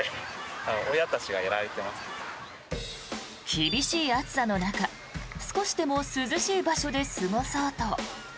厳しい暑さの中、少しでも涼しい場所で過ごそうと。